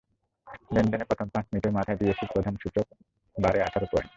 লেনদেনের পাঁচ মিনিটের মাথায় ডিএসইর প্রধান সূচক বাড়ে আঠারো পয়েন্ট।